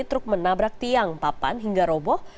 truk menabrak tiang papan hingga roboh